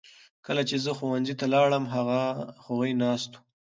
کله چې زه ښوونځي ته لاړم هغوی ناست وو.